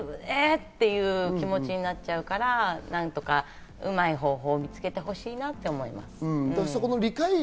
っていう気持ちになっちゃうから、何とかうまい方法を見つけてほしいなって思います。